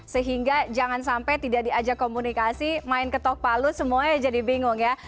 sehingga jangan sampai tidak diajak komunikasi main ketok palu semuanya jadi bingung ya